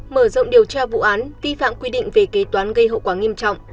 mở rộng điều tra vụ án vi phạm quy định về kế toán gây hậu quả nghiêm trọng